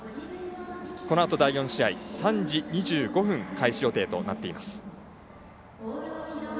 このあと第４試合、３時２５分開始予定となっています。